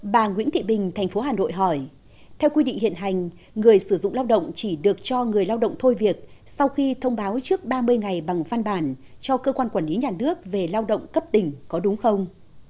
bà nguyễn thị bình thành phố hà nội hỏi theo quy định hiện hành người sử dụng lao động chỉ được cho người lao động thôi việc sau khi thông báo trước ba mươi ngày bằng văn bản cho cơ quan quản lý nhà nước về lao động cấp tỉnh có đúng không